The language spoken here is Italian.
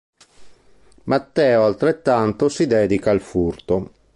Matteo altrettanto si dedica al furto.